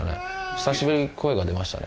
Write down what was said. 久しぶりに声が出ましたね。